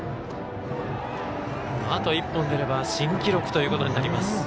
あと１本出れば新記録ということになります。